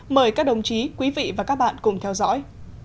mời các đồng chí quý vị và các bạn cùng theo dõi